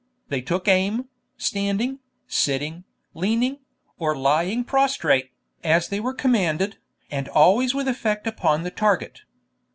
They took aim, standing, sitting, leaning, or lying prostrate, as they were commanded, and always with effect upon the target.